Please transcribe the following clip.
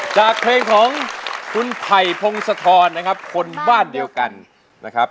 จากเพลงของคุณไผ่พงศธรนะครับคนบ้านเดียวกันนะครับ